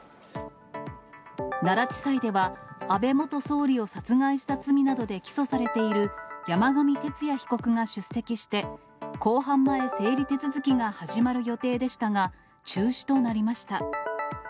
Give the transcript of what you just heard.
奈良地裁では、安倍元総理を殺害した罪などで起訴されている山上徹也被告が出席して、公判前整理手続きが始まる予定でしたが、中止となりました。